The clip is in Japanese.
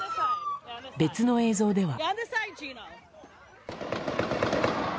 別の映像では。